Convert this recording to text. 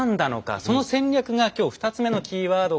その戦略が今日２つ目のキーワード。